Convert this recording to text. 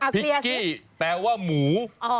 พริกกี้แปลว่าหมู